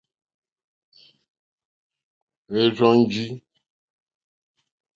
Hwɛ́ rzɔ́njì.